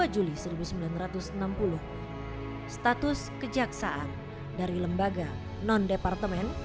dua puluh juli seribu sembilan ratus enam puluh status kejaksaan dari lembaga non departemen